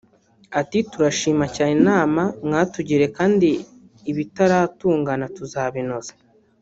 Ati “Turashima cyane inama mwatugiriye kandi ibitaratungana tuzabinoza